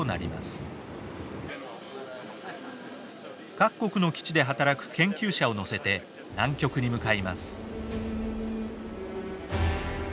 各国の基地で働く研究者を乗せて南極に向かいます。